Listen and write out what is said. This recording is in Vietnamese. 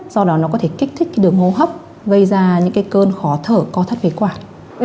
do đó nó có thể kích thích cái đường hô hấp gây ra những cái cơn khó thở có thất phế quản